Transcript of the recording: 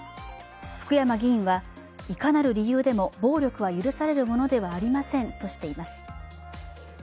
福山議員は、いかなる理由でも暴力は許されるものではありませんとしています。